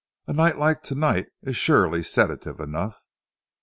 A night like to night is surely sedative enough.